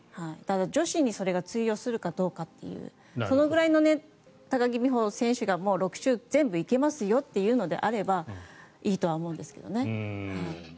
ただ女子にそれが通用するかどうかというそのくらいの高木美帆選手が６周全部行きますよというのであればいいとは思うんですけどね。